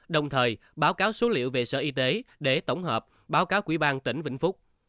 đồng thời báo cáo số liệu về sở y tế để tổng hợp báo cáo quỹ ban tỉnh vĩnh phúc